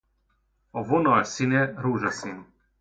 A vonal színe rózsaszín.